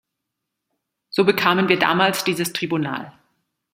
So bekamen wir damals dieses Tribunal.